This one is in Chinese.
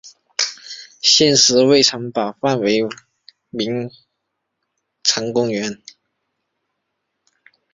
现时为城堡范围为名城公园。